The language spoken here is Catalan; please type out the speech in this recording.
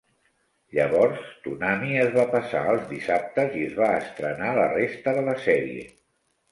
Llavors Toonami es va passar als dissabtes i es va estrenar la resta de la sèrie.